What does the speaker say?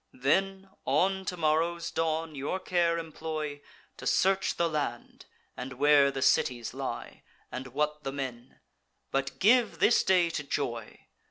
Then, on tomorrow's dawn, your care employ, To search the land, and where the cities lie, And what the men; but give this day to joy.